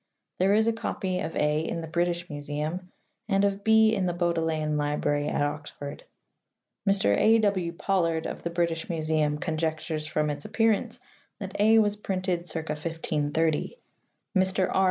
There is a copy of (a) in the British ^Museum, and of (b) in the Bodleian Librarj at Oxford. ^Ir. A. W. Pollard of the British Museum conjectures from its appearance that (a) was printed circa 1530; Mr. R.